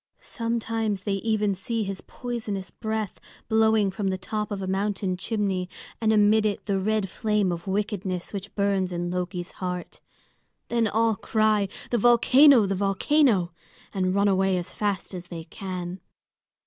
Sometimes they even see his poisonous breath blowing from the top of a mountain chimney, and amid it the red flame of wickedness which burns in Loki's heart. Then all cry, "The volcano, the volcano!" and run away as fast as they can.